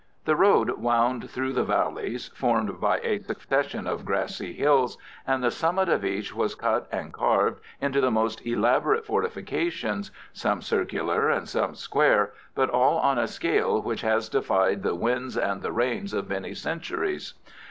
The road wound through the valleys, formed by a succession of grassy hills, and the summit of each was cut and carved into the most elaborate fortifications, some circular and some square, but all on a scale which has defied the winds and the rains of many centuries.